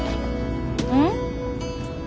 うん？